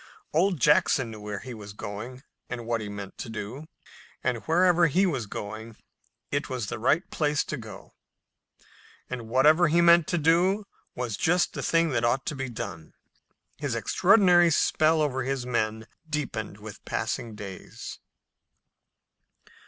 Old Jack knew where he was going and what he meant to do. And wherever he was going it was the right place to go to, and whatever he meant to do was just the thing that ought to be done. His extraordinary spell over his men deepened with the passing days.